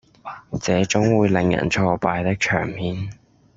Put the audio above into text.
這種會讓人挫敗的場面